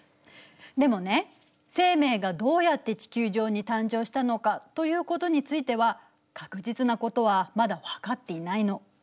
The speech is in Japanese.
でもね生命がどうやって地球上に誕生したのかということについては確実なことはまだ分かっていないの。